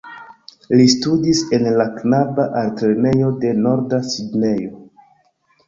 Li studis en la knaba altlernejo de Norda Sidnejo.